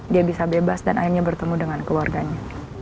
dia bisa bebas dan akhirnya bertemu dengan keluarganya